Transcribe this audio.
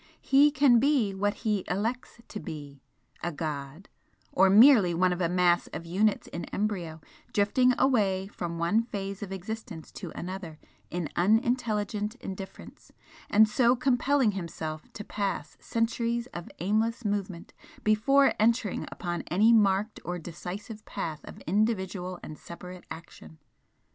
He can be what he elects to be, a god, or merely one of a mass of units in embryo, drifting away from one phase of existence to another in unintelligent indifference, and so compelling himself to pass centuries of aimless movement before entering upon any marked or decisive path of individual and separate action.